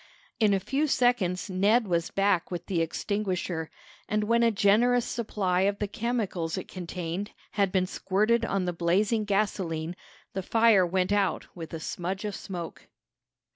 In a few seconds Ned was back with the extinguisher, and when a generous supply of the chemicals it contained had been squirted on the blazing gasoline, the fire went out with a smudge of smoke.